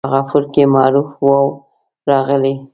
په غفور کې معروف واو راغلی.